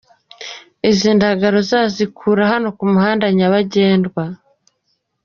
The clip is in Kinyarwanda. Izi ndagara uwazikura hano ku muhanda nyabagendwa.